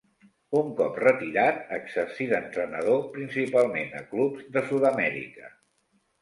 Un cop retirat exercí d'entrenador, principalment a clubs de Sud-amèrica.